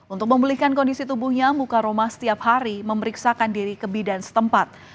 untuk membelikan kondisi tubuhnya muka rumah setiap hari memeriksakan diri kebidan setempat